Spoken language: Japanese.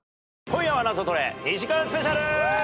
『今夜はナゾトレ』２時間スペシャル。